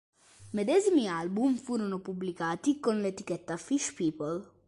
Medesimi album furono pubblicati con l'etichetta Fish People.